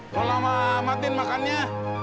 kalau sama matin makannya